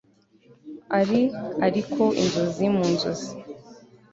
Ari ariko inzozi mu nzozi